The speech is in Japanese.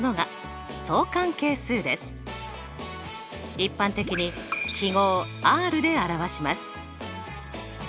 一般的に記号ｒで表します。